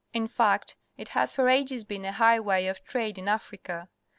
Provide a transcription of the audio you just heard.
In fact, it has for ages been a highway of trade in Africa.